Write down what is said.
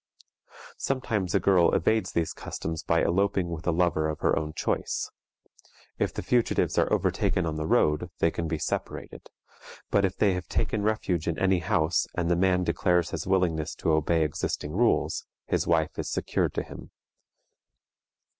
Sometimes a girl evades these customs by eloping with a lover of her own choice. If the fugitives are overtaken on the road, they can be separated; but if they have taken refuge in any house, and the man declares his willingness to obey existing rules, his wife is secured to him.